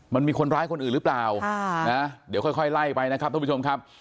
มันมีคนร้ายคนอื่นหรือเปล่านะเดี๋ยวค่อยไล่ไปนะครับท่านผู้ชมครับ